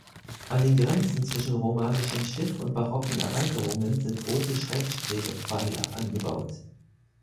An den Grenzen zwischen romanischem Schiff und barocken Erweiterungen sind große Schrägstrebepfeiler angebaut.